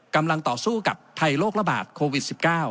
กำลังต่อสู้กับภัยโรคระบาดโควิด๑๙